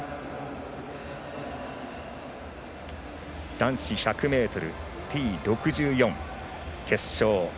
男子１００ｍＴ６４決勝。